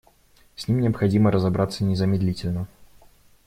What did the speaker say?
С ними необходимо разобраться незамедлительно.